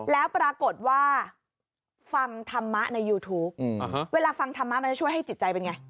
แล้วปรากฏว่าฟังธรรมะในยูทูปเวลาฟังธรรมะมันจะช่วยให้จิตใจเป็นไง